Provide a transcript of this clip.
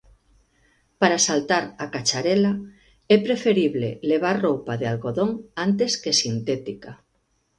Para saltar a cacharela é preferible levar roupa de algodón antes que sintética.